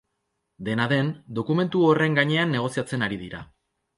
Dena den, dokumentu horren gainean negoziatzen ari da.